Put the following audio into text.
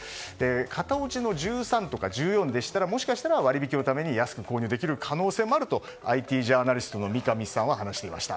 型落ちの１３とか１４でしたらもしかしたら割引きで安く購入できる可能性もあるとＩＴジャーナリストの三上さんは話していました。